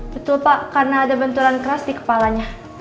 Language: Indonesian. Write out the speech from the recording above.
betul pak karena ada benturan keras di kepalanya